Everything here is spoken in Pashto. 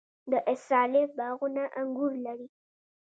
د استالف باغونه انګور لري.